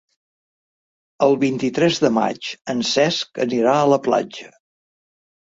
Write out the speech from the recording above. El vint-i-tres de maig en Cesc anirà a la platja.